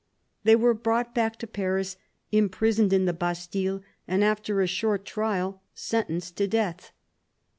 They were brought back to Paris, imprisoned in the Bastille, and after a short trial sentenced to death.